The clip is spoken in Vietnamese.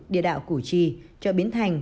địa đạo củ chi chợ biến thành